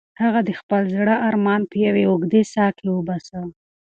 هغې د خپل زړه ارمان په یوې اوږدې ساه کې وباسه.